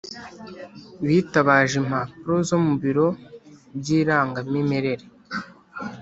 bitabaje impapuro zo mu biro by’irangamimerere